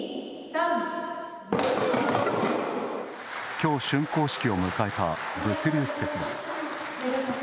きょう、竣工式を迎えた物流施設です。